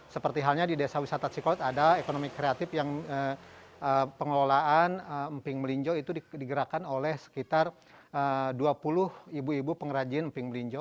seperti halnya di desa wisata cikout ada ekonomi kreatif yang pengelolaan emping melinjo itu digerakkan oleh sekitar dua puluh ibu ibu pengrajin emping melinjo